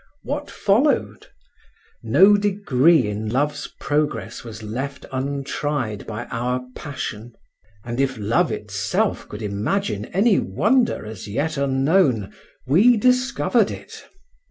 What followed? No degree in love's progress was left untried by our passion, and if love itself could imagine any wonder as yet unknown, we discovered it.